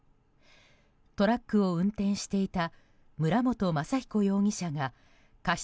トラックを運転していた村元雅彦容疑者が過失